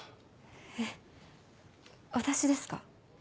えっ私ですか？